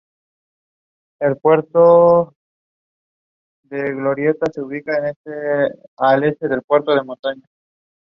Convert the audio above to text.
He played rugby at Kilmarnock Academy before playing for Kilmarnock.